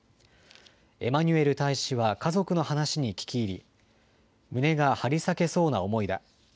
エマニュエル大使は家族の話に聞き入り、胸が張り裂けそうな思いだ。